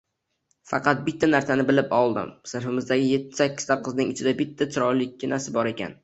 Faqat bitta narsani bilib oldim: sinfimizdagi yetti-sakkizta qizning ichida bitta chiroylikkinasi bor ekan.